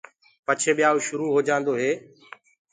پچهي ٻيايوُ شُرو هوجآندو هي۔